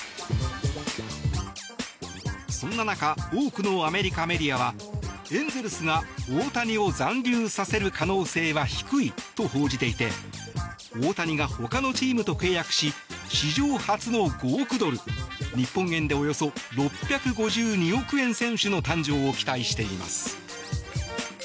そんな中多くのアメリカメディアはエンゼルスが大谷を残留させる可能性は低いと報じていて大谷が他のチームと契約し史上初の５億ドル日本円でおよそ６５２億円選手の誕生を期待しています。